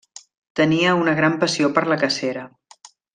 Tenia una gran passió per la cacera.